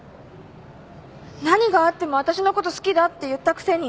何があってもわたしのこと好きだって言ったくせに。